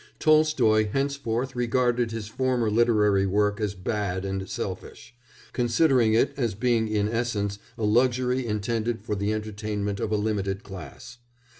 Tolstoy henceforth regarded his former literary work as bad and selfish, considering it as being in essence a luxury intended for the entertainment of a limited class.